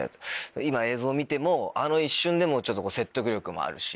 今映像見てもあの一瞬でも説得力もあるし。